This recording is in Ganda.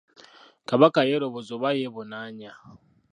Kabaka yeeroboza oba yeebonanya.